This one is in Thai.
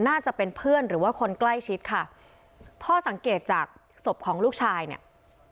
น่าจะเป็นเพื่อนหรือว่าคนใกล้ชิดค่ะพ่อสังเกตจากศพของลูกชายเนี่ย